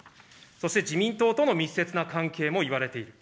そして自民党との密接な関係もいわれている。